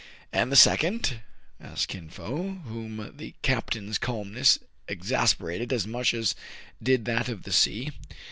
" And the second }asked Kin Fo, whom the captain's calmness exasperated as much as did that of the sea.